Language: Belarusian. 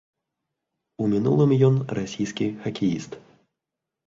У мінулым ён расійскі хакеіст.